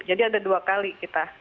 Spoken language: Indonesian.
jadi ada dua kali kita